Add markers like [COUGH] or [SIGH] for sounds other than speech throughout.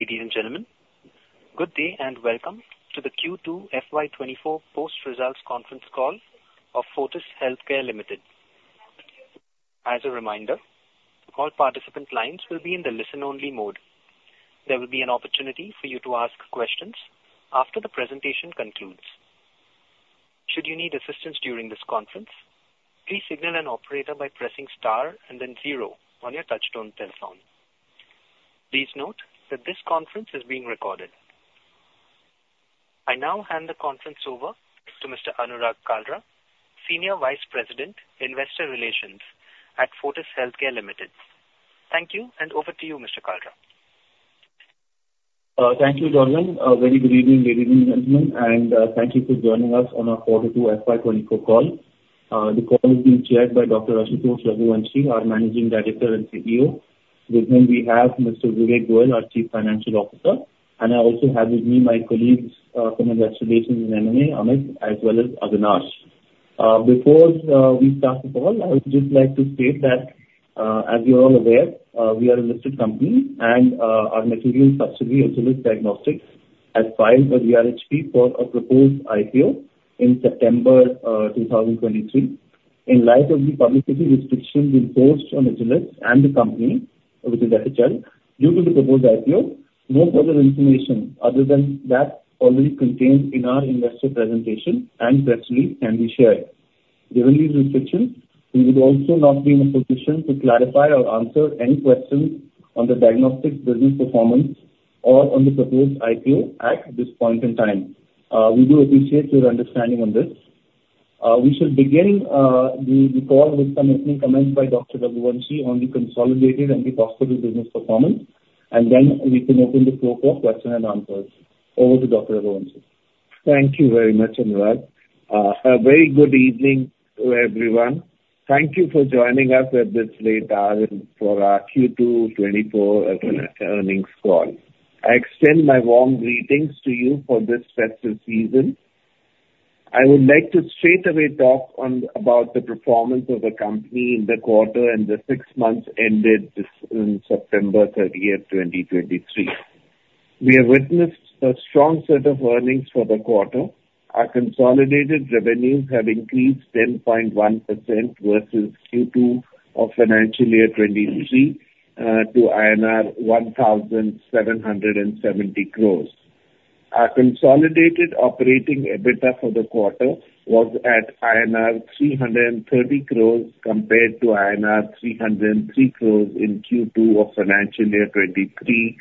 Ladies and gentlemen, good day, and welcome to the Q2 FY '24 Post Results Conference Call of Fortis Healthcare Limited. As a reminder, all participant lines will be in the listen-only mode. There will be an opportunity for you to ask questions after the presentation concludes. Should you need assistance during this conference, please signal an operator by pressing star and then zero on your touchtone telephone. Please note that this conference is being recorded. I now hand the conference over to Mr. Anurag Kalra, Senior Vice President, Investor Relations at Fortis Healthcare Limited. Thank you, and over to you, Mr. Kalra. Thank you, [Dorwin]. Very good evening, ladies and gentlemen, and thank you for joining us on our quarter two FY 2024 call. The call is being chaired by Dr. Ashutosh Raghuvanshi, our Managing Director and CEO. With him we have Mr. Vivek Goyal, our Chief Financial Officer, and I also have with me my colleagues from investor relations and M&A, Amit, as well as Avinash. Before we start the call, I would just like to state that, as you're all aware, we are a listed company, and our material subsidiary, Agilus Diagnostics, has filed a DRHP for a proposed IPO in September 2023. In light of the publicity restrictions imposed on Agilus and the company, which is FHL, due to the proposed IPO, no further information other than that already contained in our investor presentation and press release can be shared. Given these restrictions, we would also not be in a position to clarify or answer any questions on the diagnostics business performance or on the proposed IPO at this point in time. We do appreciate your understanding on this. We shall begin the call with some opening comments by Dr. Raghuvanshi on the consolidated and the hospital business performance, and then we can open the floor for question and answers. Over to Dr. Raghuvanshi. Thank you very much, Anurag. A very good evening to everyone. Thank you for joining us at this late hour for our Q2 2024 earnings call. I extend my warm greetings to you for this festive season. I would like to straightaway talk about the performance of the company in the quarter and the six months ended in September 30th, 2023. We have witnessed a strong set of earnings for the quarter. Our consolidated revenues have increased 10.1% versus Q2 of financial year 2023 to INR 1,770 crores. Our consolidated operating EBITDA for the quarter was at INR 330 crores compared to INR 303 crores in Q2 of financial year 2023,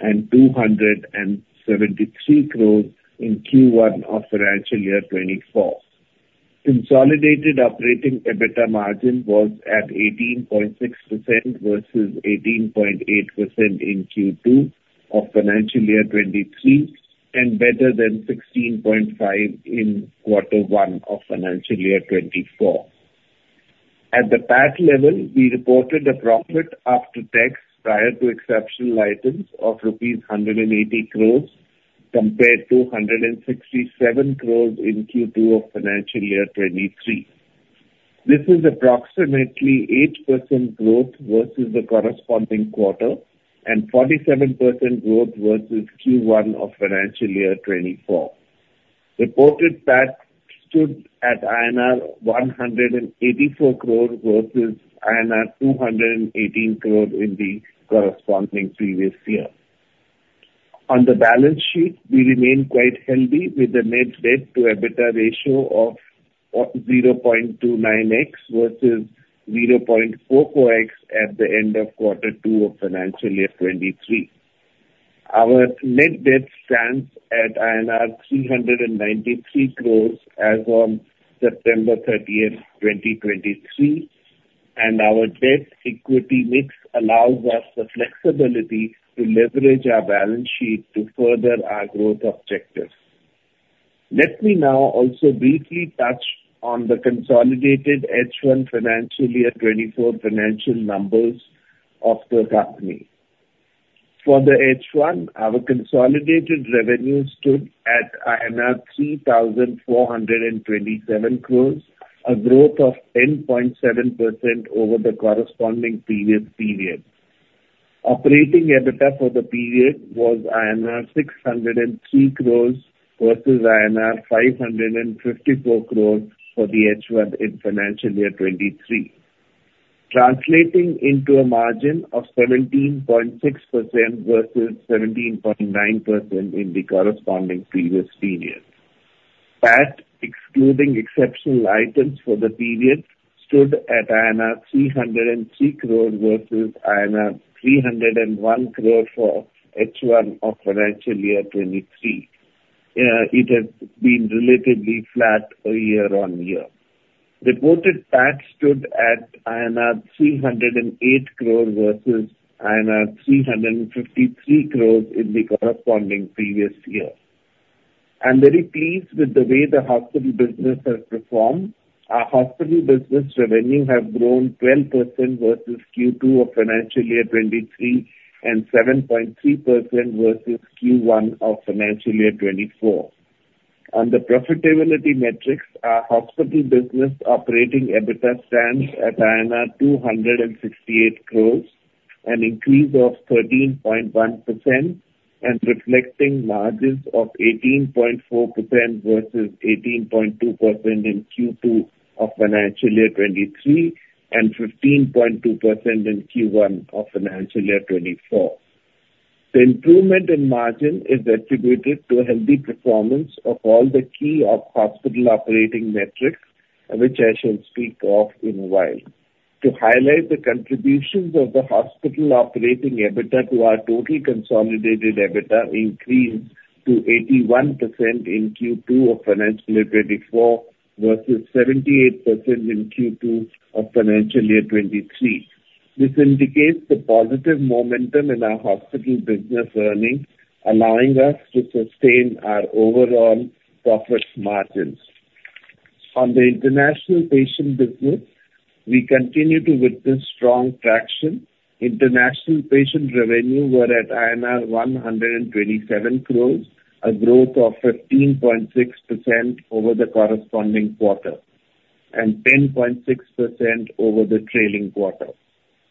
and 273 crores in Q1 of financial year 2024. Consolidated operating EBITDA margin was at 18.6% versus 18.8% in Q2 of financial year 2023, and better than 16.5% in quarter one of financial year 2024. At the PAT level, we reported a profit after tax prior to exceptional items of rupees 180 crore, compared to 167 crore in Q2 of financial year 2023. This is approximately 8% growth versus the corresponding quarter, and 47% growth versus Q1 of financial year 2024. Reported PAT stood at INR 184 crore, versus INR 218 crore in the corresponding previous year. On the balance sheet, we remain quite healthy, with a net debt to EBITDA ratio of 0.29x versus 0.44x at the end of quarter two of financial year 2023. Our net debt stands at INR 393 crores as of September 30th, 2023, and our debt/equity mix allows us the flexibility to leverage our balance sheet to further our growth objectives. Let me now also briefly touch on the consolidated H1 financial year 2024 financial numbers of the company. For the H1, our consolidated revenue stood at 3,427 crores, a growth of 10.7% over the corresponding previous period. Operating EBITDA for the period was INR 603 crores, versus INR 554 crores for the H1 in financial year 2023, translating into a margin of 17.6% versus 17.9% in the corresponding previous period. PAT, excluding exceptional items for the period, stood at 303 crore versus 301 crore for H1 of financial year 2023. It has been relatively flat year-on-year. Reported PAT stood at INR 308 crore versus INR 353 crores in the corresponding previous year. I'm very pleased with the way the hospital business has performed. Our hospital business revenue have grown 12% versus Q2 of financial year 2023, and 7.3% versus Q1 of financial year 2024. On the profitability metrics, our hospital business operating EBITDA stands at 268 crores, an increase of 13.1%, and reflecting margins of 18.4% versus 18.2% in Q2 of financial year 2023, and 15.2% in Q1 of financial year 2024. The improvement in margin is attributed to a healthy performance of all the key hospital operating metrics, which I shall speak of in a while. To highlight the contributions of the hospital operating EBITDA to our total consolidated EBITDA increased to 81% in Q2 of financial year 2024, versus 78% in Q2 of financial year 2023. This indicates the positive momentum in our hospital business earnings, allowing us to sustain our overall profit margins. On the international patient business, we continue to witness strong traction. International patient revenue were at INR 127 crore, a growth of 15.6% over the corresponding quarter, and 10.6% over the trailing quarter.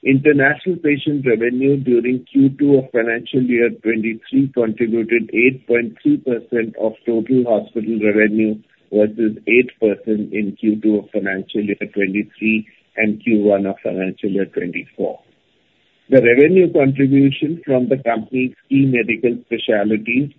International patient revenue during Q2 of financial year 2023 contributed 8.3% of total hospital revenue, versus 8% in Q2 of financial year 2023 and Q1 of financial year 2024. The revenue contribution from the company's key medical specialties,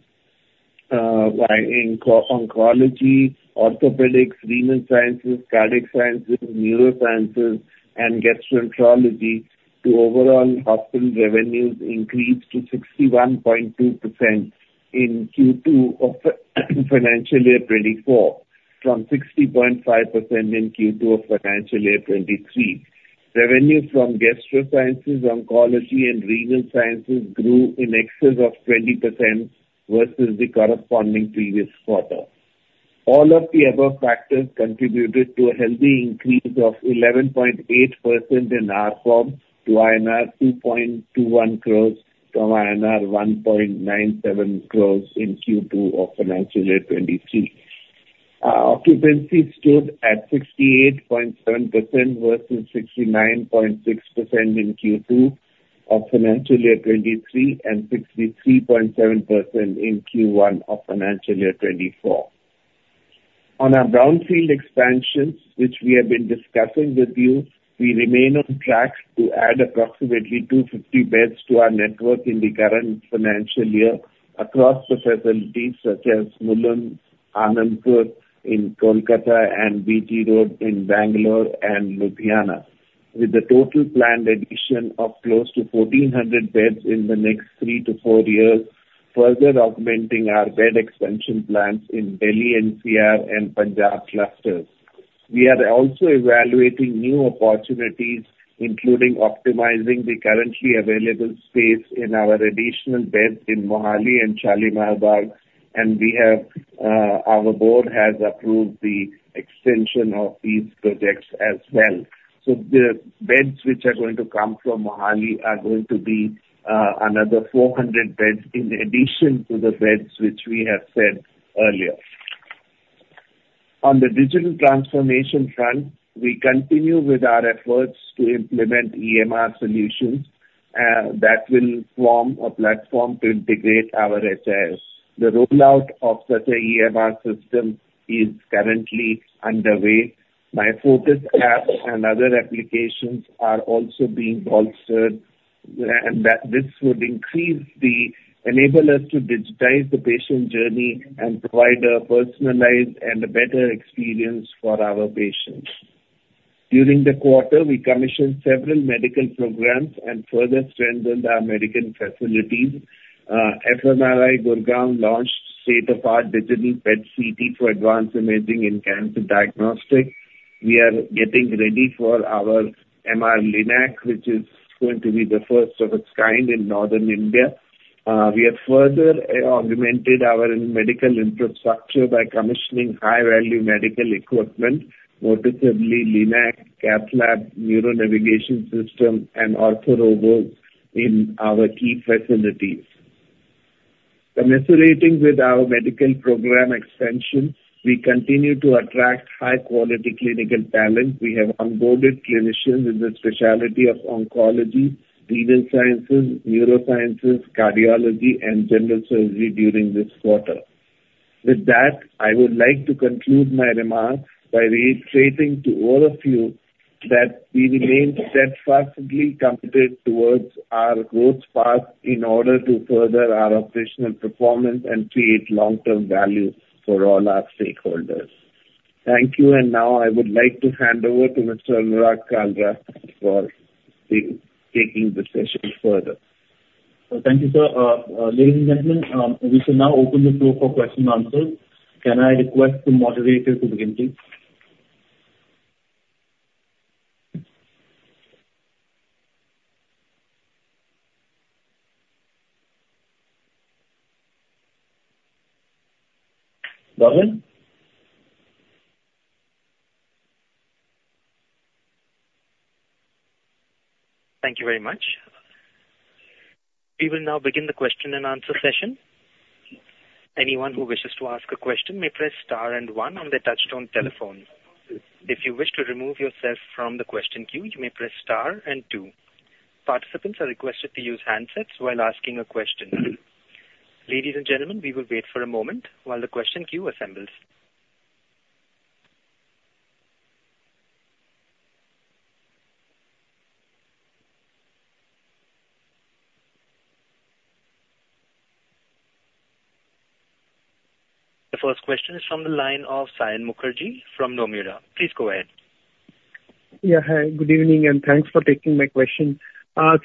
including oncology, orthopedics, renal sciences, cardiac sciences, neurosciences, and gastroenterology, to overall hospital revenues increased to 61.2% in Q2 of financial year 2024, from 60.5% in Q2 of financial year 2023. Revenue from gastro sciences, oncology, and renal sciences grew in excess of 20% versus the corresponding previous quarter. All of the above factors contributed to a healthy increase of 11.8% in ARPOB to INR 2.21 crores from INR 1.97 crores in Q2 of financial year 2023. Our occupancy stood at 68.7% versus 69.6% in Q2 of financial year 2023, and 63.7% in Q1 of financial year 2024. On our brownfield expansions, which we have been discussing with you, we remain on track to add approximately 250 beds to our network in the current financial year across the facilities, such as Mulund, Anandapur in Kolkata, and BG Road in Bangalore and Ludhiana. With the total planned addition of close to 1,400 beds in the next three to four years, further augmenting our bed expansion plans in Delhi NCR, and Punjab clusters. We are also evaluating new opportunities, including optimizing the currently available space in our additional beds in Mohali and Shalimar Bagh, and we have, our Board has approved the extension of these projects as well. So the beds which are going to come from Mohali are going to be another 400 beds in addition to the beds which we have said earlier. On the digital transformation front, we continue with our efforts to implement EMR solutions that will form a platform to integrate our HIS. The rollout of such a EMR system is currently underway. myFortis app and other applications are also being bolstered, and that this would enable us to digitize the patient journey and provide a personalized and a better experience for our patients. During the quarter, we commissioned several medical programs and further strengthened our medical facilities. FMRI, Gurgaon, launched state-of-the-art Digital PET/CT for advanced imaging in cancer diagnostics. We are getting ready for our MR Linac, which is going to be the first of its kind in Northern India. We have further augmented our medical infrastructure by commissioning high-value medical equipment, noticeably Linac, Cath Lab, neuro navigation system, and OrthoRobo in our key facilities. Commensurating with our medical program expansion, we continue to attract high-quality clinical talent. We have onboarded clinicians in the specialty of oncology, renal sciences, neurosciences, cardiology, and general surgery during this quarter. With that, I would like to conclude my remarks by reiterating to all of you that we remain steadfastly committed toward our growth path in order to further our operational performance and create long-term value for all our stakeholders. Thank you, and now I would like to hand over to Mr. Anurag Kalra for taking the session further. Thank you, sir. Ladies and gentlemen, we shall now open the floor for question and answers. Can I request the moderator to begin, please? [Dorwin]? Thank you very much. We will now begin the question-and-answer session. Anyone who wishes to ask a question may press star and one on their touch-tone telephone. If you wish to remove yourself from the question queue, you may press star and two. Participants are requested to use handsets while asking a question. Ladies and gentlemen, we will wait for a moment while the question queue assembles. The first question is from the line of Saion Mukherjee from Nomura. Please go ahead. Yeah, hi, good evening, and thanks for taking my question.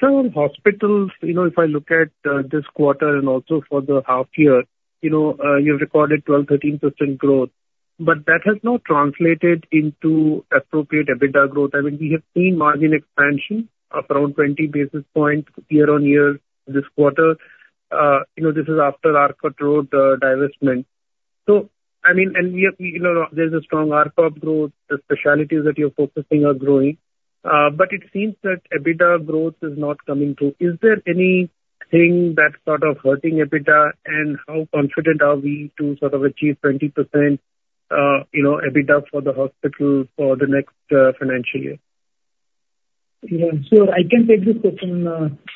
So hospitals, you know, if I look at this quarter and also for the half year, you know, you've recorded 12-13% growth, but that has not translated into appropriate EBITDA growth. I mean, we have seen margin expansion of around 20 basis points year-on-year this quarter. You know, this is after Arcot Road divestment. So, I mean, and we have, you know, there's a strong ARPOB growth, the specialties that you're focusing are growing, but it seems that EBITDA growth is not coming through. Is there anything that's sort of hurting EBITDA? And how confident are we to sort of achieve 20% EBITDA for the hospital for the next financial year? Yeah, sure. I can take this question,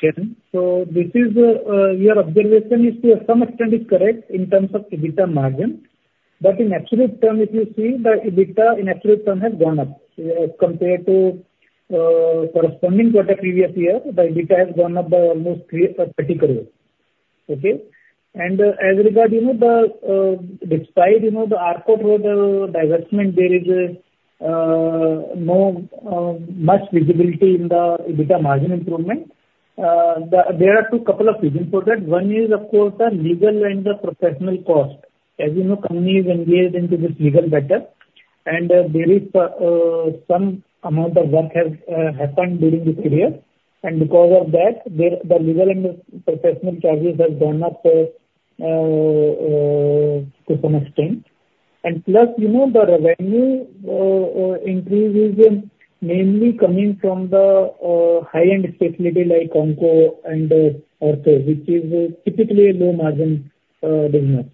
Saion. So this is, your observation is to some extent correct in terms of EBITDA margin, but in absolute term, if you see, the EBITDA in absolute term has gone up, compared to, corresponding quarter previous year, the EBITDA has gone up by almost 30 crore. Okay? And as regard, you know, the, despite, you know, the Arcot Road divestment, there is no much visibility in the EBITDA margin improvement. The, there are two couple of reasons for that. One is, of course, the legal and the professional cost. As you know, company is engaged into this legal battle, and there is some amount of work has happened during this period, and because of that, the legal and the professional charges have gone up to some extent. And plus, you know, the revenue increase is mainly coming from the high-end specialty like onco and ortho, which is typically a low margin business.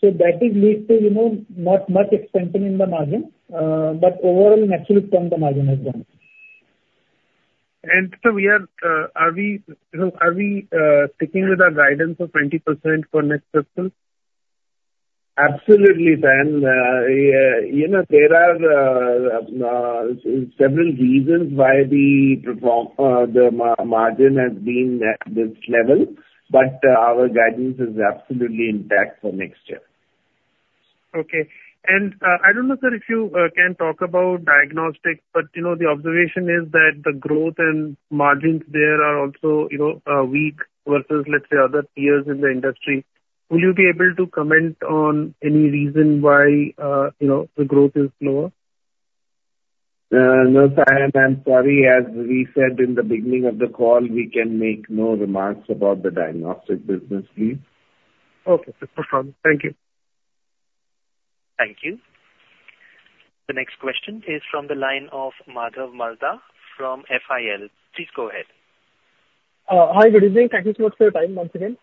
So that is lead to, you know, not much expansion in the margin, but overall in absolute term, the margin has gone up. So, you know, are we sticking with our guidance of 20% for next fiscal? Absolutely, Saion. Yeah, you know, there are several reasons why the margin has been at this level, but our guidance is absolutely intact for next year. Okay. And, I don't know, sir, if you can talk about diagnostics, but, you know, the observation is that the growth and margins there are also, you know, weak versus, let's say, other peers in the industry. Will you be able to comment on any reason why, you know, the growth is lower? No, Saion, I'm sorry. As we said in the beginning of the call, we can make no remarks about the diagnostic business, please. Okay, no problem. Thank you. Thank you. The next question is from the line of Madhav Marda from FIL. Please go ahead. Hi, good evening. Thank you so much for your time once again.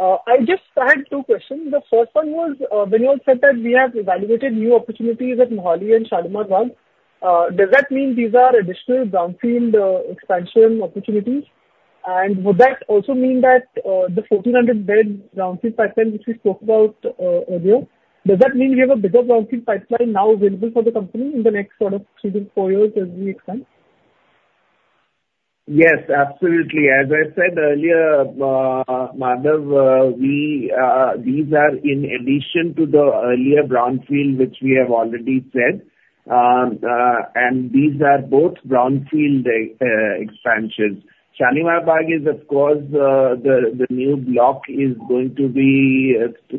I just had two questions. The first one was, when you said that we have evaluated new opportunities at Mohali and Shalimar Bagh, does that mean these are additional brownfield expansion opportunities? And would that also mean that the 1,400-bed brownfield pipeline, which we spoke about earlier, does that mean we have a bigger brownfield pipeline now available for the company in the next sort of three to four years as we expand? Yes, absolutely. As I said earlier, Madhav, these are in addition to the earlier brownfield, which we have already said. And these are both brownfield expansions. Shalimar Bagh is of course, the new block is going to be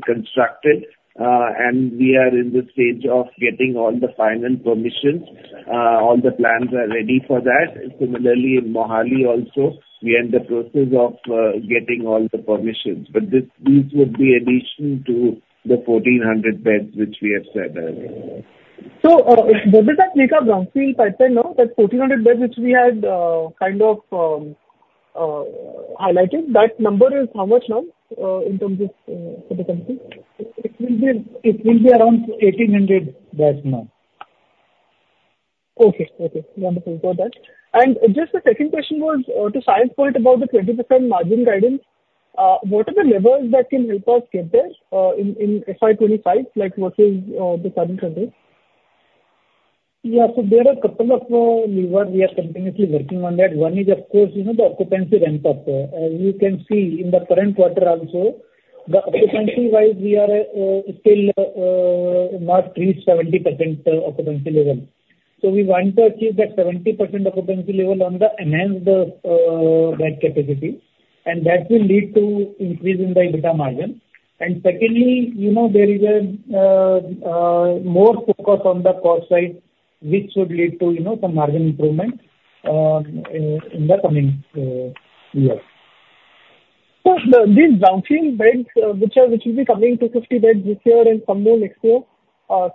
constructed, and we are in the stage of getting all the final permissions. All the plans are ready for that. Similarly, in Mohali also, we are in the process of getting all the permissions, but this would be additional to the 1,400 beds, which we have said earlier. So, does that make up brownfield pipeline now, that 1400 beds, which we had kind of highlighted, that number is how much now, in terms of for the company? It will be around 1,800 beds now. Okay. Okay, wonderful. Got that. And just the second question was, to Saion's point about the 20% margin guidance, what are the levers that can help us get there, in FY 2025, like versus, the current period? Yeah, so there are a couple of lever we are continuously working on that. One is, of course, you know, the occupancy ramp-up. You can see in the current quarter also, the occupancy-wise, we are still not reached 70% occupancy level. So we want to achieve that 70% occupancy level on the enhanced bed capacity, and that will lead to increase in the EBITDA margin. And secondly, you know, there is a more focus on the cost side, which would lead to, you know, some margin improvement in the coming year. So the, these brownfield beds, which are, which will be coming 250 beds this year and some more next year,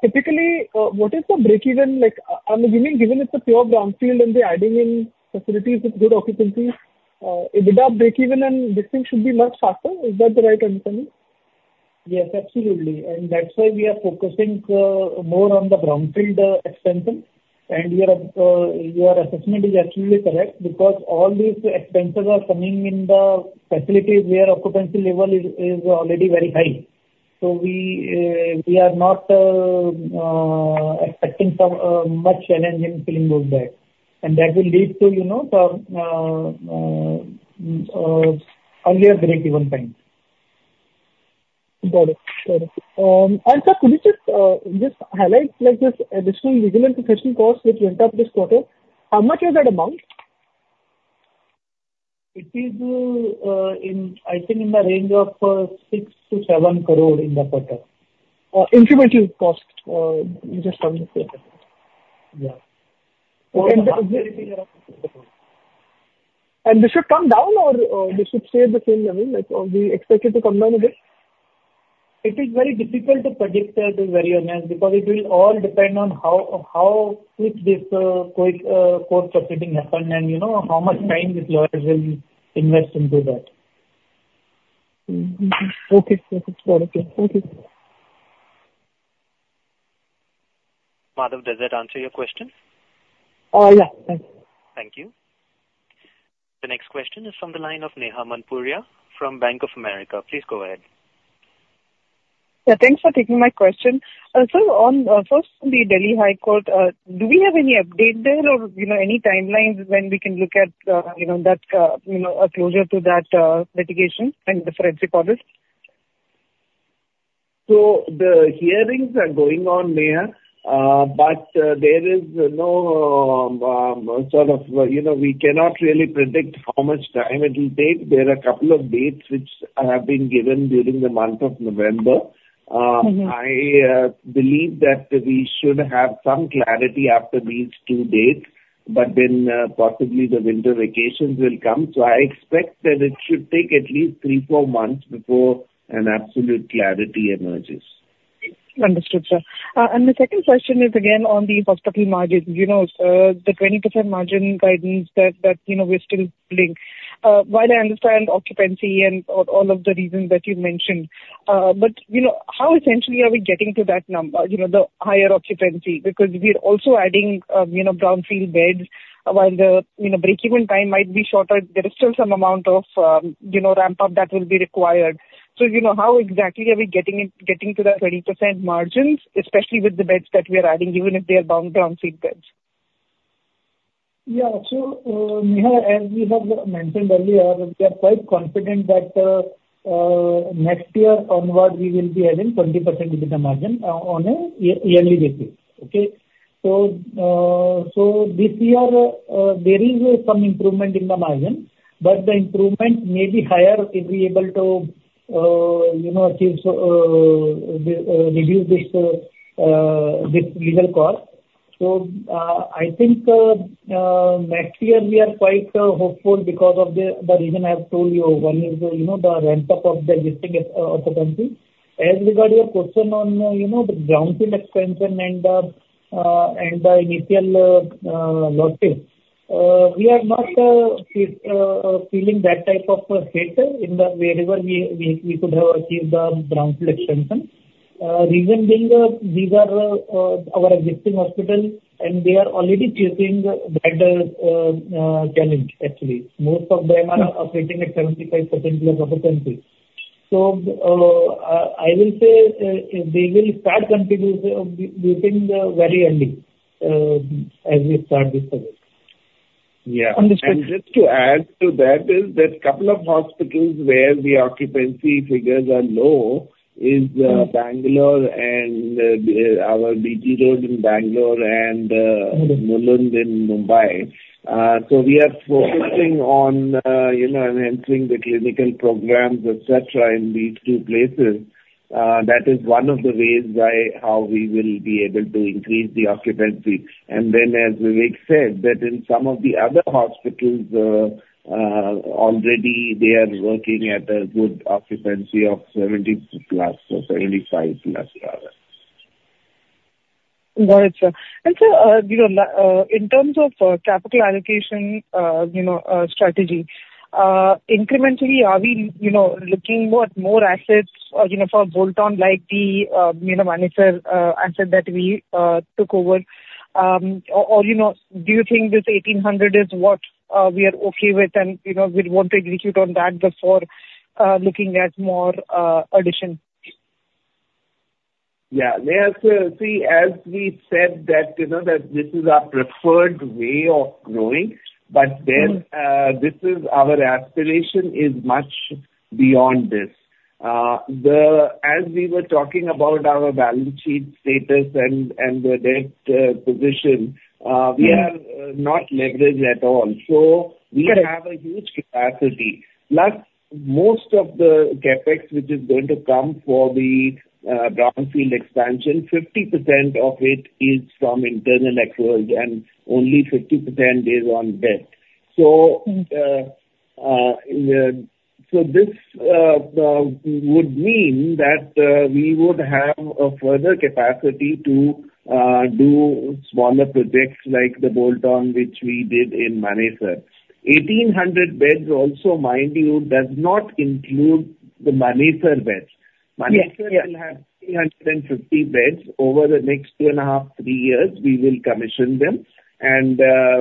typically, what is the break even like? I'm assuming, given it's a pure brownfield and they're adding in facilities with good occupancy, EBITDA break-even and this thing should be much faster. Is that the right understanding? Yes, absolutely. And that's why we are focusing more on the brownfield expansion. And your assessment is absolutely correct, because all these expenses are coming in the facilities where occupancy level is already very high. So we are not expecting some much challenge in filling those beds. And that will lead to, you know, some earlier break-even time. Got it. Got it. And sir, could you just, just highlight, like, this additional legal and professional costs which went up this quarter? How much is that amount? It is, I think, in the range of 6 crore-7 crore in the quarter. Incremental cost, just onthe quarter? Yeah. This should come down or this should stay the same level, like, are we expect it to come down a bit? It is very difficult to predict this very early, because it will all depend on how quick this court proceeding happen, and, you know, how much time these lawyers will invest into that. Okay. Got it. Okay. Madhav, does that answer your question? Yeah. Thanks. Thank you. The next question is from the line of Neha Manpuria from Bank of America. Please go ahead. Yeah, thanks for taking my question. Sir, first, on the Delhi High Court, do we have any update there or, you know, any timelines when we can look at, you know, that, you know, a closure to that litigation and the forensic audit? The hearings are going on, Neha, but there is no sort of, you know, we cannot really predict how much time it will take. There are a couple of dates which have been given during the month of November. Mm-hmm. I believe that we should have some clarity after these two dates, but then, possibly the winter vacations will come. So I expect that it should take at least three, four months before an absolute clarity emerges. Understood, sir. And the second question is again on the hospital margins. You know, the 20% margin guidance that you know, we're still building. While I understand occupancy and all of the reasons that you mentioned, but you know, how essentially are we getting to that number? You know, the higher occupancy, because we are also adding, you know, brownfield beds, while the break-even time might be shorter, there is still some amount of, you know, ramp-up that will be required. So, you know, how exactly are we getting to that 20% margins, especially with the beds that we are adding, even if they are brownfield beds? Yeah. So, Neha, as we have mentioned earlier, we are quite confident that next year onward, we will be having 20% EBITDA margin on a yearly basis. Okay? So this year, there is some improvement in the margin, but the improvement may be higher if we able to, you know, achieve, so reduce this legal cost. So, I think next year we are quite hopeful because of the reason I have told you, one is, you know, the ramp-up of the existing occupancy. As regard your question on, you know, the brownfield expansion and the initial losses, we are not feeling that type of hit in the wherever we could have achieved the brownfield expansion. Reason being, these are our existing hospitals, and they are already facing bed challenge actually. Most of them are operating at 75%+ occupancy. So, I will say, they will start contributing within the very early, as we start this service. Yeah. Understood. And just to add to that, is there's couple of hospitals where the occupancy figures are low is, Bangalore and, our BG Road in Bangalore and, Mm-hmm. Mulund in Mumbai. So we are focusing on, you know, enhancing the clinical programs, etc., in these two places. That is one of the ways by how we will be able to increase the occupancy. And then, as Vivek said, that in some of the other hospitals, already they are working at a good occupancy of 70+ or 75+ rather. Got it, sir. And sir, you know, in terms of capital allocation, you know, strategy, incrementally, are we, you know, looking more, more assets, you know, for bolt-on, like the Manesar asset that we took over? Or, you know, do you think this 1,800 is what we are okay with and, you know, we'd want to execute on that before looking at more addition? Yeah. Neha, so see, as we said that, you know, that this is our preferred way of growing, but then- Mm. This is our aspiration is much beyond this. As we were talking about our balance sheet status and the debt position. Mm-hmm. We are not leveraged at all. Right. So we have a huge capacity, plus most of the CapEx, which is going to come for the brownfield expansion, 50% of it is from internal accruals and only 50% is on debt. So this would mean that we would have a further capacity to do smaller projects like the bolt-on which we did in Manesar. 1,800 beds also, mind you, does not include the Manesar beds. Yes. Manesar will have 350 beds. Over the next two and a half to three years, we will commission them, and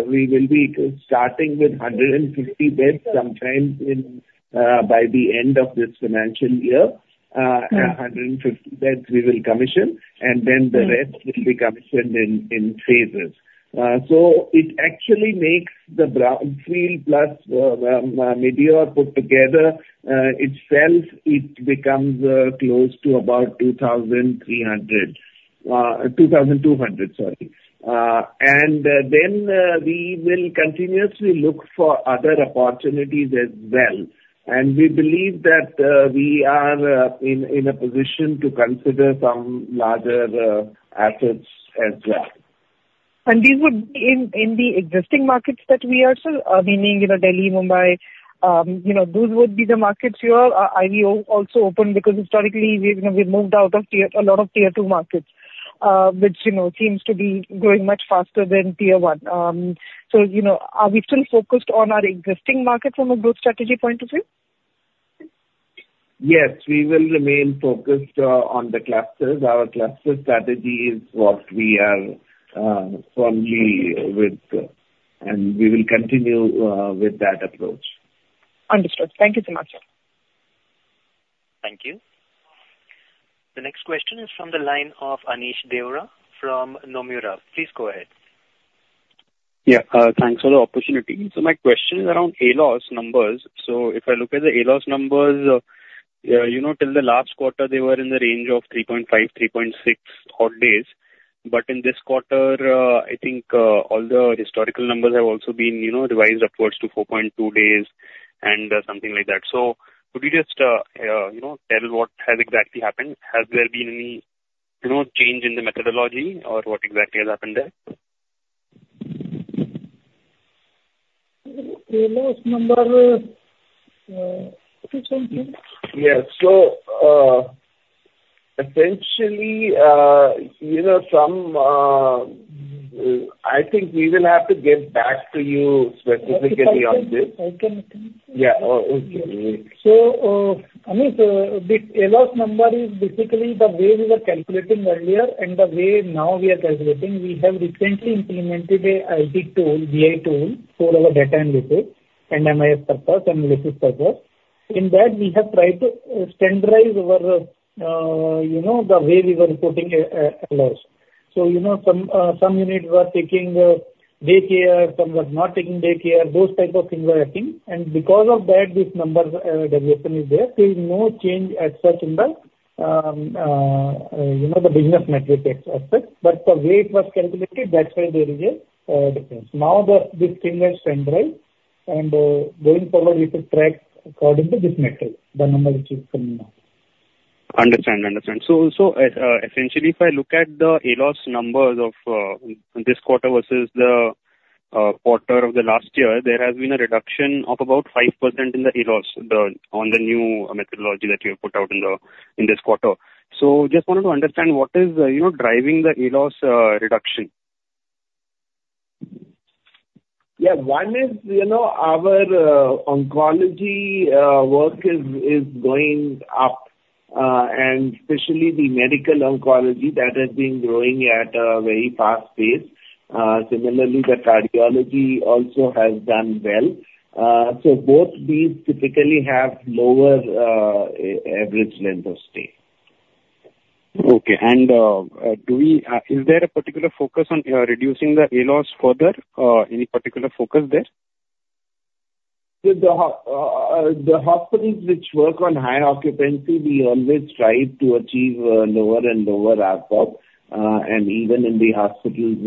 we will be starting with 150 beds sometime in by the end of this financial year. Mm-hmm. 150 beds we will commission, and then the rest will be commissioned in phases. So it actually makes the brownfield plus Manesar put together itself it becomes close to about 2,300, 2,200, sorry. And then we will continuously look for other opportunities as well. And we believe that we are in a position to consider some larger assets as well. These would be in the existing markets that we are still meaning, you know, Delhi, Mumbai? You know, those would be the markets you are. Are you also open because historically we've, you know, we've moved out of a lot of Tier Two markets, which, you know, seems to be growing much faster than Tier One? So, you know, are we still focused on our existing markets from a growth strategy point of view? Yes, we will remain focused on the clusters. Our cluster strategy is what we are firmly with, and we will continue with that approach. Understood. Thank you so much, sir. Thank you. The next question is from the line of Aneesh Deora from Nomura. Please go ahead. Yeah, thanks for the opportunity. So my question is around ALOS numbers. So if I look at the ALOS numbers, you know, till the last quarter, they were in the range of 3.5, 3.6 odd days. But in this quarter, I think, all the historical numbers have also been, you know, revised upwards to 4.2 days and, something like that. So would you just, you know, tell what has exactly happened? Has there been any, you know, change in the methodology or what exactly has happened there? ALOS number. Yes. So, essentially, you know, I think we will have to get back to you specifically on this. I can- Yeah. Oh, okay. So, Aneesh, the ALOS number is basically the way we were calculating earlier and the way now we are calculating. We have recently implemented a IT tool - BI tool for our data analysis and MIS purpose and analysis purpose. In that, we have tried to standardize our, you know, the way we were reporting, ALOS. So, you know, some units were taking day care, some were not taking day care. Those type of things were happening, and because of that, this number deviation is there. There is no change as such in the, you know, the business metrics as such. But the way it was calculated, that's why there is a difference. Now this thing has been right, and going forward, we could track according to this metric, the number which is coming now. So, essentially, if I look at the ALOS numbers of this quarter versus the quarter of the last year, there has been a reduction of about 5% in the ALOS on the new methodology that you have put out in this quarter. So just wanted to understand what is, you know, driving the ALOS reduction. Yeah. One is, you know, our oncology work is going up, and especially the medical oncology, that has been growing at a very fast pace. Similarly, the cardiology also has done well. So both these typically have lower average length of stay. Okay. And, do we, is there a particular focus on, reducing the ALOS further? Any particular focus there? The hospitals which work on high occupancy, we always try to achieve lower and lower ARPOB. And even in the hospitals,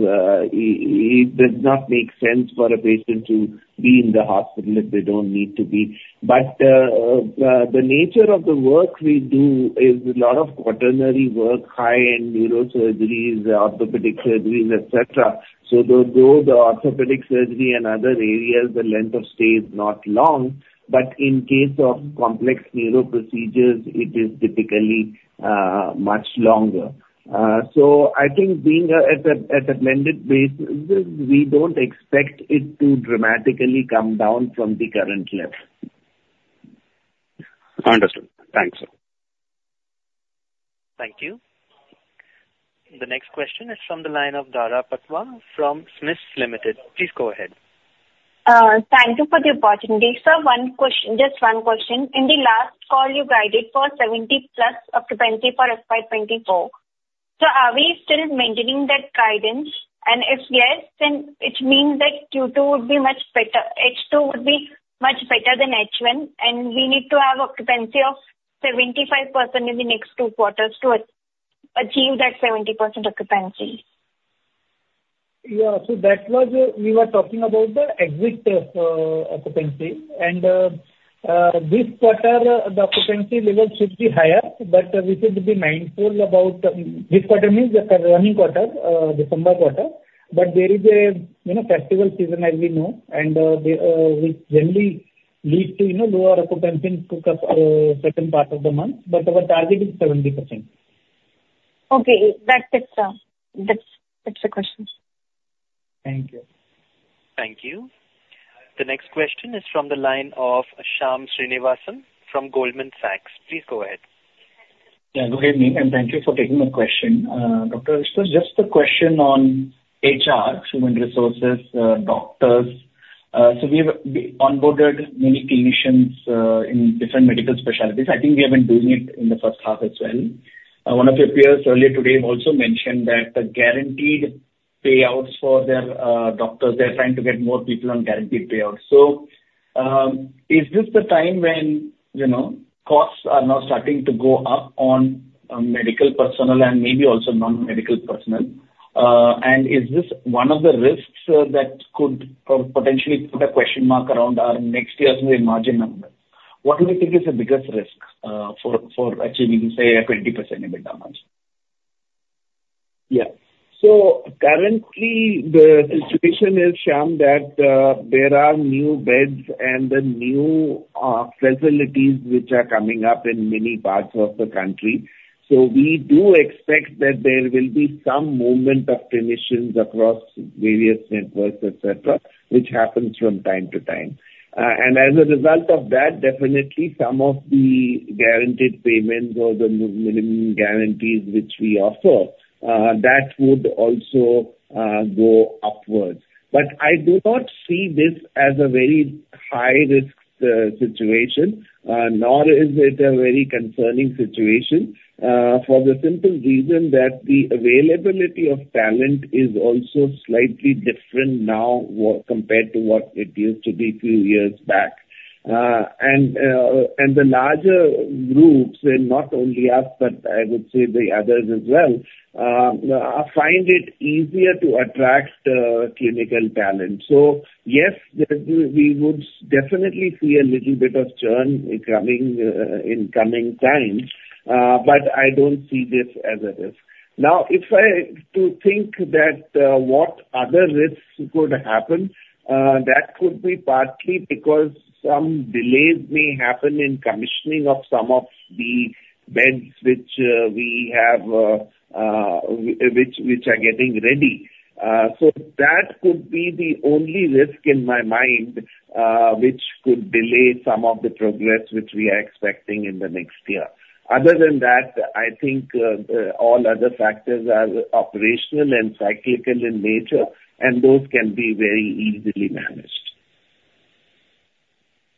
it does not make sense for a patient to be in the hospital if they don't need to be. But the nature of the work we do is a lot of quaternary work, high-end neurosurgeries, orthopedic surgeries, etc. So though the orthopedic surgery and other areas, the length of stay is not long, but in case of complex neuro procedures, it is typically much longer. So I think being at a blended basis, we don't expect it to dramatically come down from the current level. Understood. Thanks. Thank you. The next question is from the line of Dhara Patwa from SMIFS Limited. Please go ahead. Thank you for the opportunity, sir. One question, just one question. In the last call, you guided for 70+ occupancy for FY 2024. So are we still maintaining that guidance? And if yes, then it means that Q2 would be much better, H2 would be much better than H1, and we need to have occupancy of 75% in the next two quarters to achieve that 70% occupancy. Yeah. So that was, we were talking about the exit, occupancy. And, this quarter, the occupancy level should be higher, but we should be mindful about, this quarter means the current quarter, December quarter, but there is a, you know, festival season, as we know, and, the, we generally- Lead to, you know, lower occupancy in certain parts of the month, but our target is 70%. Okay, that's it, sir, that's the questions. Thank you. Thank you. The next question is from the line of Shyam Srinivasan from Goldman Sachs. Please go ahead. Yeah, good evening, and thank you for taking my question. Dr. Ashutosh, just a question on HR, human resources, doctors. So we've, we onboarded many clinicians in different medical specialties. I think we have been doing it in the first half as well. One of your peers earlier today also mentioned that the guaranteed payouts for their doctors, they're trying to get more people on guaranteed payouts. So, is this the time when, you know, costs are now starting to go up on medical personnel and maybe also non-medical personnel? And is this one of the risks that could potentially put a question mark around our next year's margin number? What do you think is the biggest risk for achieving, say, a 20% EBITDA margin? Yeah. So currently, the situation is, Shyam, that there are new beds and the new facilities which are coming up in many parts of the country. So we do expect that there will be some movement of clinicians across various networks, etc., which happens from time to time. And as a result of that, definitely some of the guaranteed payments or the minimum guarantees which we offer, that would also go upwards. But I do not see this as a very high risk situation, nor is it a very concerning situation, for the simple reason that the availability of talent is also slightly different now compared to what it used to be few years back. And the larger groups, and not only us, but I would say the others as well, find it easier to attract clinical talent. So yes, we would definitely see a little bit of churn in coming times, but I don't see this as a risk. Now, if I to think that, what other risks could happen, that could be partly because some delays may happen in commissioning of some of the beds which we have, which are getting ready. So that could be the only risk in my mind, which could delay some of the progress which we are expecting in the next year. Other than that, I think all other factors are operational and cyclical in nature, and those can be very easily managed.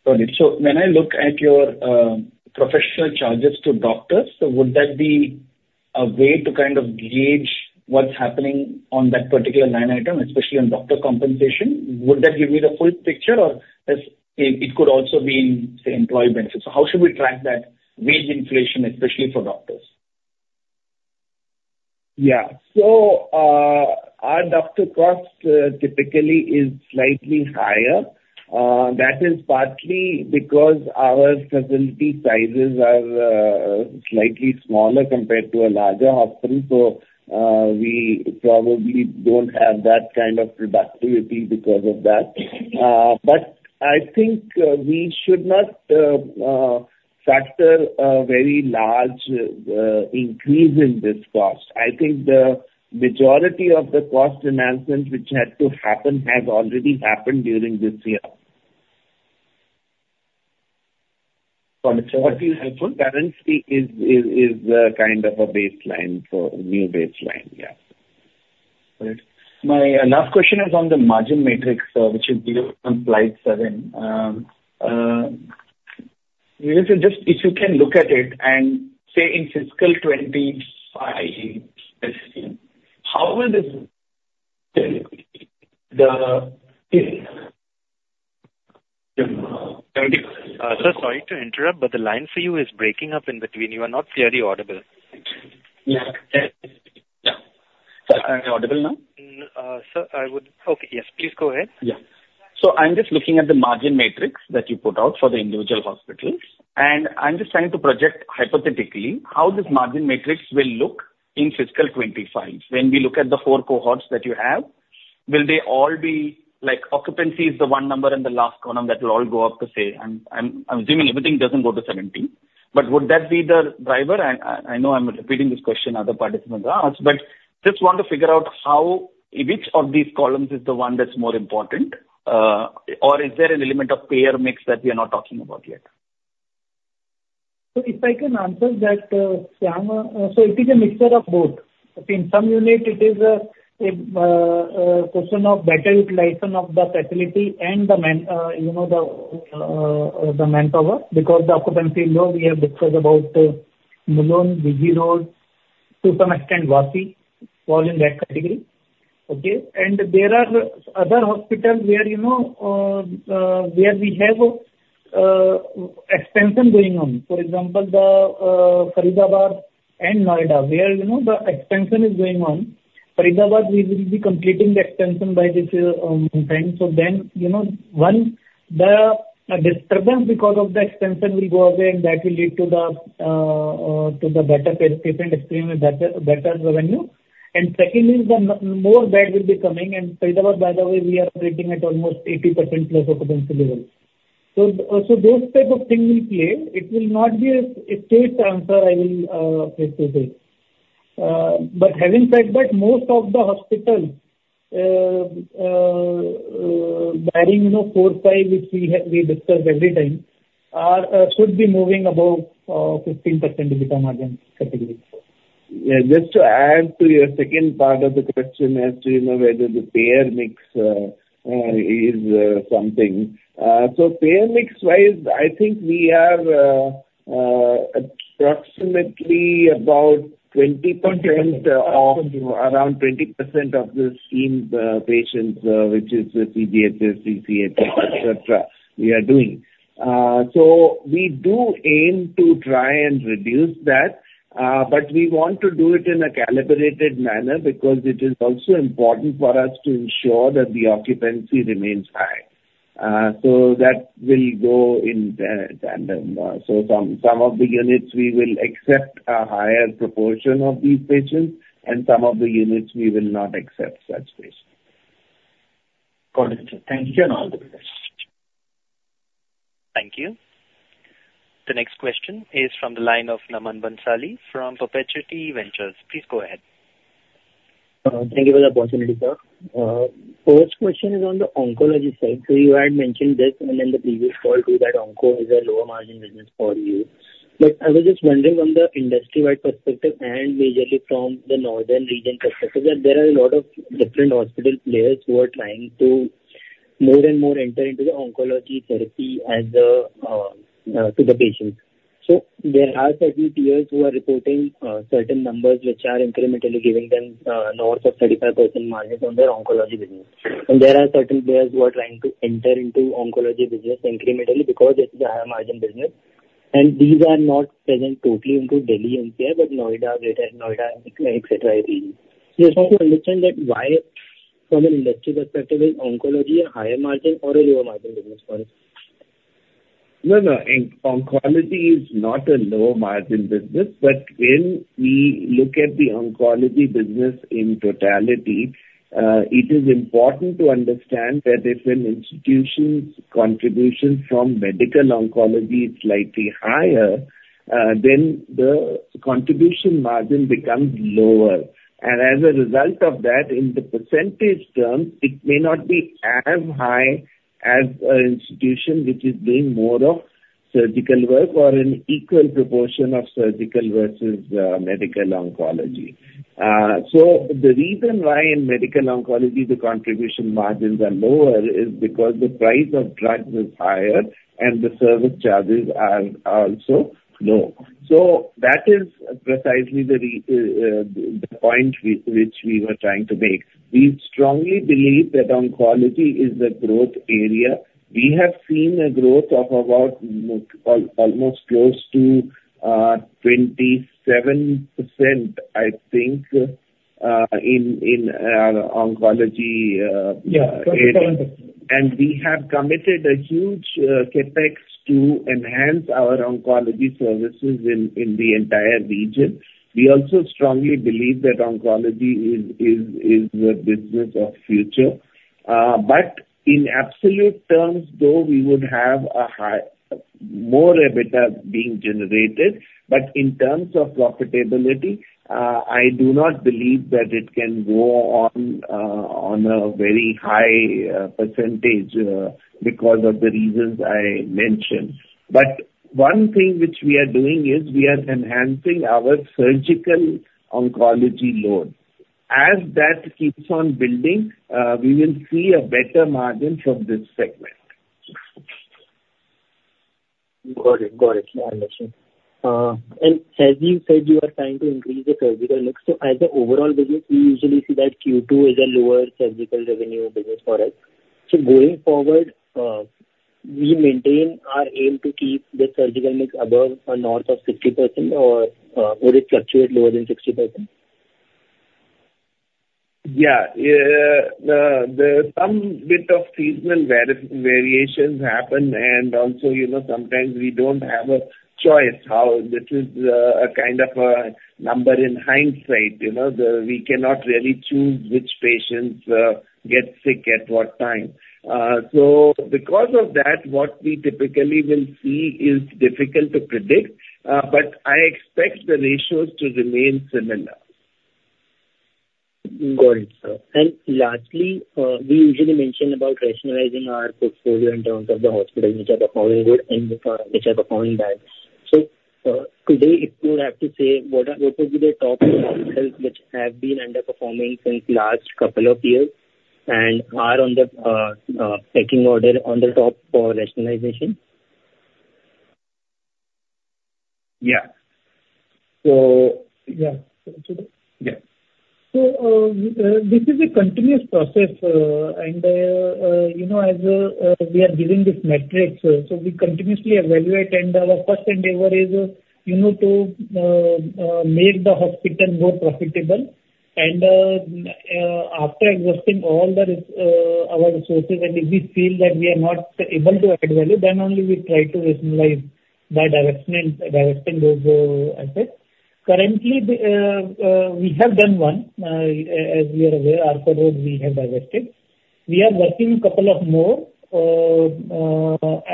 Got it. So when I look at your professional charges to doctors, would that be a way to kind of gauge what's happening on that particular line item, especially on doctor compensation? Would that give me the full picture, or is it? It could also be in, say, employee benefits. So how should we track that wage inflation, especially for doctors? Yeah. So, our doctor cost typically is slightly higher. That is partly because our facility sizes are slightly smaller compared to a larger hospital. So, we probably don't have that kind of productivity because of that. But I think we should not factor a very large increase in this cost. I think the majority of the cost enhancements which had to happen have already happened during this year. Got it. So, what'd be helpful? Currently is a kind of a baseline for new baseline. Yeah. Great. My last question is on the margin matrix, which you gave on slide 7. Just if you can look at it and say in fiscal 2025, let's see, how will this. [AUDIO DISTORTION] Sir, sorry to interrupt, but the line for you is breaking up in between. You are not clearly audible. Yeah. Yeah. Am I audible now? Sir, I would... Okay, yes, please go ahead. Yeah. So I'm just looking at the margin matrix that you put out for the individual hospitals, and I'm just trying to project hypothetically how this margin matrix will look in fiscal 2025. When we look at the four cohorts that you have, will they all be like, occupancy is the one number in the last column that will all go up the same? I'm assuming everything doesn't go to 70, but would that be the driver? And I know I'm repeating this question other participants asked, but just want to figure out how, which of these columns is the one that's more important, or is there an element of payer mix that we are not talking about yet? So if I can answer that, Shyam, so it is a mixture of both. In some units it is a question of better utilization of the facility and the man, you know, the manpower, because the occupancy is low. We have discussed about Mohali, BG Road, to some extent, Vapi, fall in that category. Okay? And there are other hospitals where, you know, where we have expansion going on. For example, the Faridabad and Noida, where, you know, the expansion is going on. Faridabad, we will be completing the expansion by this time. So then, you know, once, the disturbance because of the expansion will go away, and that will lead to the better patient experience, better, better revenue. And secondly, is the more bed will be coming, and Faridabad, by the way, we are operating at almost 80%+ occupancy level. So, so those type of things will play. It will not be a straight answer, I will let you say. But having said that, most of the hospital, barring, you know, four, five, which we have we discuss every time, are should be moving above 15% EBITDA margin category. Yeah, just to add to your second part of the question as to, you know, whether the payer mix is something. So payer mix wise, I think we have approximately about 20% of- 20%. Around 20% of the schemes patients, which is the CGHS, ECHS, etc., we are doing. So we do aim to try and reduce that, but we want to do it in a calibrated manner because it is also important for us to ensure that the occupancy remains high. So that will go in tandem. So some of the units we will accept a higher proportion of these patients, and some of the units we will not accept such patients. Got it, sir. Thank you, and all the best. Thank you. The next question is from the line of Naman Bhansali from Perpetuity Ventures. Please go ahead. Thank you for the opportunity, sir. First question is on the oncology side. So you had mentioned this in the previous call, too, that onco is a lower margin business for you. But I was just wondering from the industry-wide perspective, and majorly from the northern region perspective, that there are a lot of different hospital players who are trying to more and more enter into the oncology therapy as a to the patients. So there are certain peers who are reporting certain numbers which are incrementally giving them north of 35% margin on their oncology business. And there are certain players who are trying to enter into oncology business incrementally because it is a higher margin business, and these are not present totally into Delhi NCR, but Noida, Greater Noida, etc. Just want to understand that why, from an industry perspective, is oncology a higher margin or a lower margin business for us? No, no. Oncology is not a lower-margin business. But when we look at the oncology business in totality, it is important to understand that if an institution's contribution from medical oncology is slightly higher, then the contribution margin becomes lower. And as a result of that, in the percentage terms, it may not be as high as an institution which is doing more of surgical work or an equal proportion of surgical versus medical oncology. So the reason why in medical oncology the contribution margins are lower is because the price of drugs is higher and the service charges are also low. So that is precisely the point we were trying to make. We strongly believe that oncology is a growth area. We have seen a growth of about almost close to 27%, I think, in oncology. Yeah. We have committed a huge CapEx to enhance our oncology services in the entire region. We also strongly believe that oncology is the business of future. But in absolute terms, though, we would have a high, more EBITDA being generated, but in terms of profitability, I do not believe that it can go on a very high percentage because of the reasons I mentioned. But one thing which we are doing is we are enhancing our surgical oncology load. As that keeps on building, we will see a better margin from this segment. Got it. Got it, my question. And as you said, you are trying to increase the surgical mix, so as an overall business, we usually see that Q2 is a lower surgical revenue business for us. So going forward, we maintain our aim to keep the surgical mix above or north of 60%, or would it fluctuate lower than 60%? Yeah. Yeah, there are some bit of seasonal variations happen, and also, you know, sometimes we don't have a choice how this is, a kind of a number in hindsight, you know, we cannot really choose which patients get sick at what time. So because of that, what we typically will see is difficult to predict, but I expect the ratios to remain similar. Got it, sir. And lastly, we usually mention about rationalizing our portfolio in terms of the hospitals which are performing good and which are performing bad. Today, if you would have to say, what are, what would be the top hospitals which have been underperforming since last couple of years and are on the pecking order on the top for rationalization? Yeah. So, yeah. Yeah. So, this is a continuous process, and, you know, as we are giving this metrics, so we continuously evaluate, and our first endeavor is, you know, to make the hospital more profitable. And, after exhausting all our resources, and if we feel that we are not able to add value, then only we try to rationalize by divesting, divesting those assets. Currently, we have done one. As we are aware, Arcot Road, we have divested. We are working couple of more.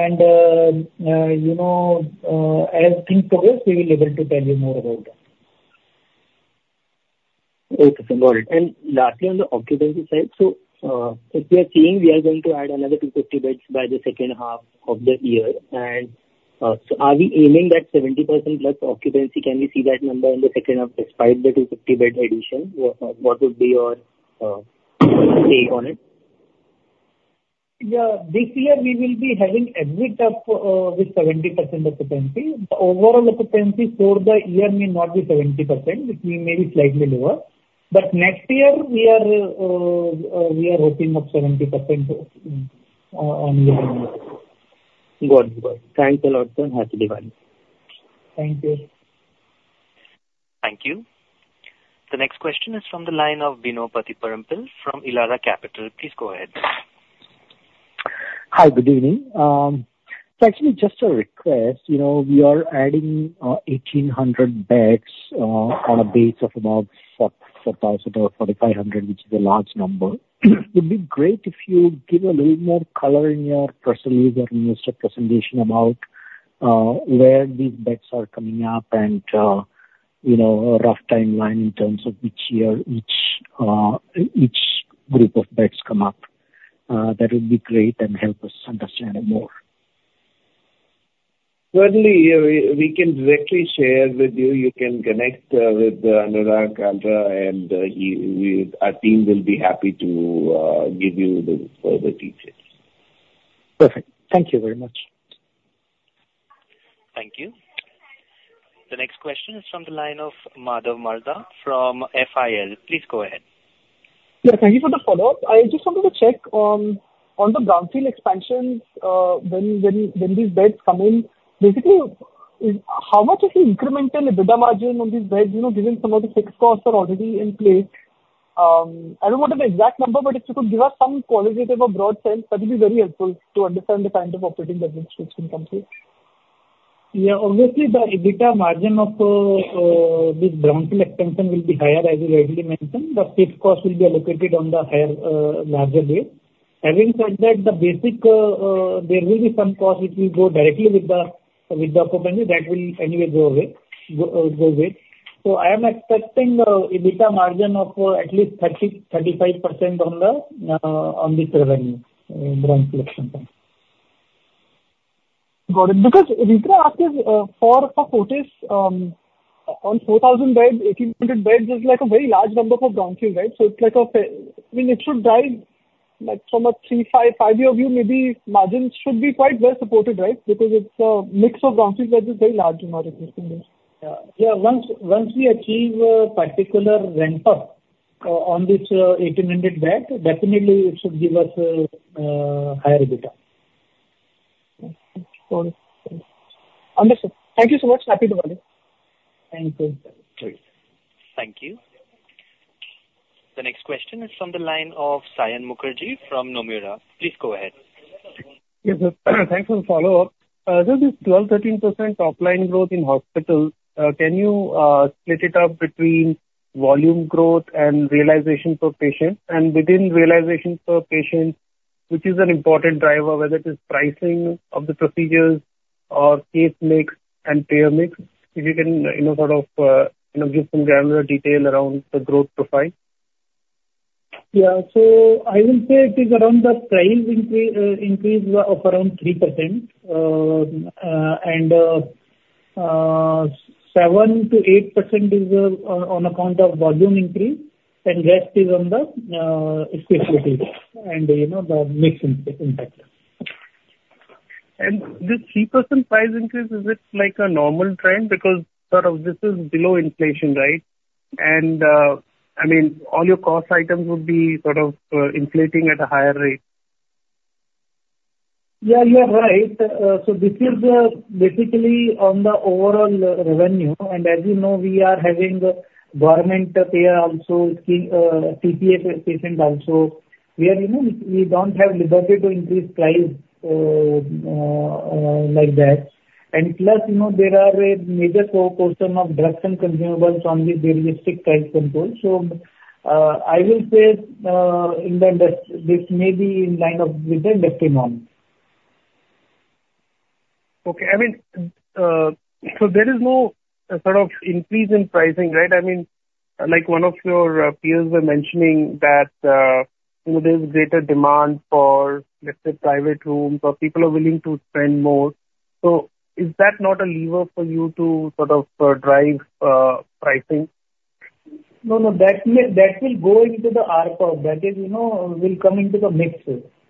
And, you know, as things progress, we will be able to tell you more about that. Okay, got it. And lastly, on the occupancy side, so, if we are seeing, we are going to add another 250 beds by the second half of the year, and, so are we aiming that 70%+ occupancy? Can we see that number in the second half, despite the 250 bed addition, what, what would be your take on it? Yeah, this year we will be having every [INAUDIBLE] with 70% occupancy. The overall occupancy for the year may not be 70%, it may be slightly lower, but next year, we are, we are hoping of 70%. [INAUDIBLE] Got it. Thanks a lot, sir. Happy Diwali! Thank you. Thank you. The next question is from the line of Bino Pathiparampil from Elara Capital. Please go ahead. Hi, good evening. Actually, just a request. You know, we are adding 1,800 beds on a base of about 4,400 or 4,500, which is a large number. It'd be great if you give a little more color in your presentation about where these beds are coming up and, you know, a rough timeline in terms of which year each group of beds come up. That would be great and help us understand more. Certainly, yeah, we can directly share with you. You can connect with Anurag Kalra, and he, our team will be happy to give you the further details. Perfect. Thank you very much. Thank you. The next question is from the line of Madhav Marda from FIL. Please go ahead. Yeah, thank you for the follow-up. I just wanted to check on the brownfield expansions, when these beds come in, basically, is how much is the incremental EBITDA margin on these beds, you know, given some of the fixed costs are already in place? I don't want the exact number, but if you could give us some qualitative or broad sense, that will be very helpful to understand the kind of operating budgets which will come through. Yeah, obviously, the EBITDA margin of the brownfield expansion will be higher as you rightly mentioned, the fixed cost will be allocated on the higher, larger base. Having said that, the basic, there will be some cost which will go directly with the occupancy, that will anyway go away. So I am expecting EBITDA margin of at least 30%-35% on this revenue brownfield expansion. Got it. Because EBITDA for Fortis on 4,000 beds, 1,800 beds is like a very large number for brownfield, right? So it's like a—I mean, it should drive, like, from a three-five-year view, maybe margins should be quite well-supported, right? Because it's mix of brownfield beds is very large in our existing base. Yeah, once we achieve particular ramp-up on this 1,800 beds, definitely it should give us higher EBITDA. Got it. Understood. Thank you so much. Happy Diwali. Thank you. Great. Thank you. The next question is from the line of Saion Mukherjee from Nomura. Please go ahead. Yes, thanks for the follow-up. Just this 12%-13% top line growth in hospitals, can you split it up between volume growth and realization per patient? And within realization per patient, which is an important driver, whether it is pricing of the procedures or case mix and payer mix, if you can, you know, sort of, you know, give some granular detail around the growth profile? Yeah. So I will say it is around the price increase, increase of around 3%. And 7%-8% is on account of volume increase, and rest is on the effectivity and, you know, the mix impact. This 3% price increase, is it like a normal trend? Because sort of this is below inflation, right? I mean, all your cost items would be sort of, inflating at a higher rate. Yeah, you are right. So this is basically on the overall revenue. And as you know, we are having government payer also, TPA is phasing down. So we are, you know, we don't have liberty to increase price like that. And plus, you know, there are a major proportion of drugs and consumables on the realistic price control. So I will say, in the industry, this may be in line with the industry norm. Okay. I mean, so there is no sort of increase in pricing, right? I mean, like one of your peers were mentioning that, you know, there's greater demand for, let's say, private rooms, or people are willing to spend more. So is that not a lever for you to sort of, drive pricing? No, no, that will, that will go into the ARPOB. That is, you know, will come into the mix.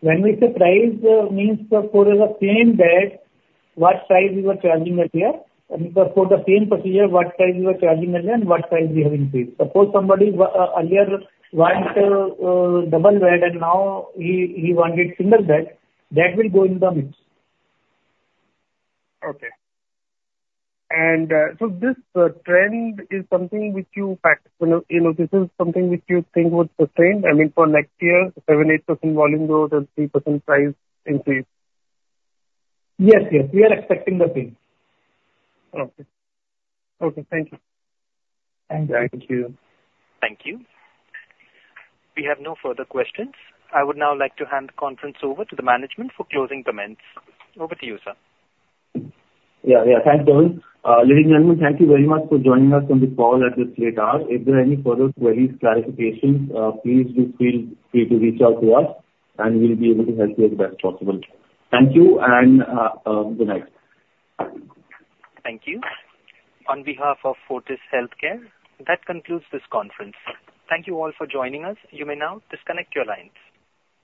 When we say price, means for, for the same bed, what price we were charging earlier, and for, for the same procedure, what price we were charging earlier and what price we have increased. Suppose somebody earlier wanted double bed, and now he, he wanted single bed, that will go in the mix. Okay. So this trend is something which you... You know, you know, this is something which you think would sustain, I mean, for next year, 7%-8% volume growth and 3% price increase? Yes, yes, we are expecting the same. Okay. Okay, thank you. Thank you. Thank you. We have no further questions. I would now like to hand the conference over to the management for closing comments. Over to you, sir. Yeah, yeah, thanks, [Dorwin]. Ladies and gentlemen, thank you very much for joining us on this call at this late hour. If there are any further queries, clarifications, please do feel free to reach out to us, and we'll be able to help you as best as possible. Thank you, and good night. Thank you. On behalf of Fortis Healthcare, that concludes this conference. Thank you all for joining us. You may now disconnect your lines.